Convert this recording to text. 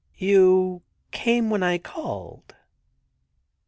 You came when I called.'